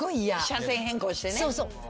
車線変更してね。